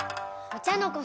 お茶の子